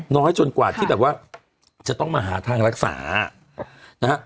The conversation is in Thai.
น้อยจนกว่าที่แบบว่าจะต้องมาหาทางรักษานะฮะ